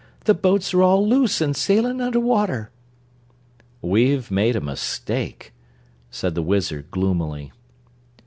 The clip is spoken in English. "The boats are all loose an' sailing under water." "We've made a mistake," said the Wizard gloomily.